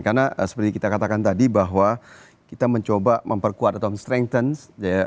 karena seperti kita katakan tadi bahwa kita mencoba memperkuat atau strengthen platform ipa convex dua ribu dua puluh empat ini